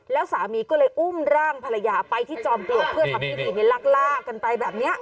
แล้วสามีก็เลยอุ้มร่างภรรยาไปที่จอมปลวกเพื่อทำพิธีนี้ลากกันไปแบบนี้